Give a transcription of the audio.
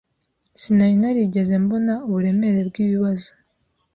Sinari narigeze mbona uburemere bwibibazo.